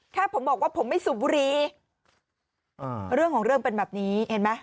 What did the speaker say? แค่ผมบอกว่าผมไม่สูบบุรีอ่าเรื่องของเรื่องเป็นแบบนี้เห็นไหม